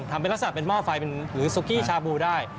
ทำเป็นลักษณะเป็นหม้อไฟหรือซุกี้ชาบูได้